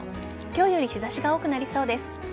今日より日差しが多くなりそうです。